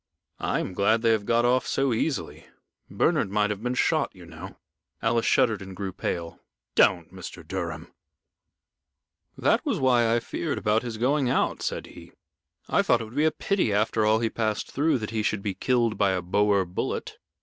"I am glad they have got off so easily. Bernard might have been shot, you know." Alice shuddered and grew pale. "Don't, Mr. Durham!" "That was why I feared about his going out," said he. "I thought it would be a pity, after all he passed through, that he should be killed by a Boer bullet.